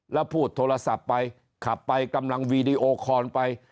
แล้วพูดโทรศัพท์ไปขับไปกำลังวีดีโอคอลไป